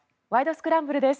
スクランブル」です。